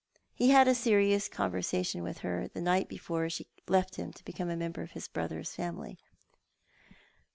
He had a serious conversation with her the night before she left him to become a member of his brother's family.